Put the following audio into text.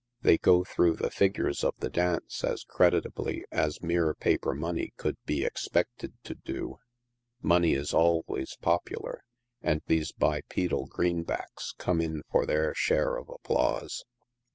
They go through the figures of the dance as creditably as mere paper money could be expected to do. Money is always popular, and these bipedal greenbacks come in for their share of applause.